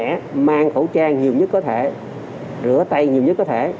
nếu trẻ mang khẩu trang nhiều nhất có thể rửa tay nhiều nhất có thể